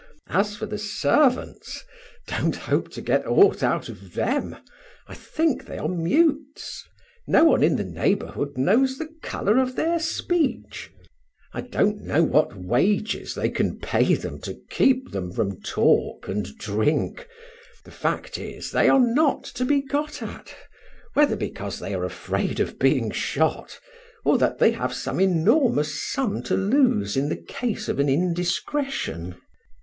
As for the servants, don't hope to get aught out of them; I think they are mutes, no one in the neighborhood knows the color of their speech; I don't know what wages they can pay them to keep them from talk and drink; the fact is, they are not to be got at, whether because they are afraid of being shot, or that they have some enormous sum to lose in the case of an indiscretion.